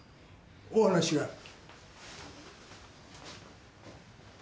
お話がある。